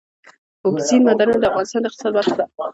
اوبزین معدنونه د افغانستان د اقتصاد برخه ده.